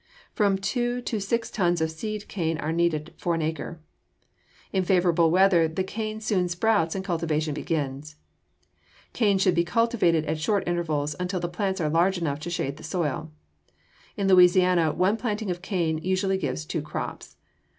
From two to six tons of seed cane are needed for an acre. In favorable weather the cane soon sprouts and cultivation begins. Cane should be cultivated at short intervals until the plants are large enough to shade the soil. In Louisiana one planting of cane usually gives two crops.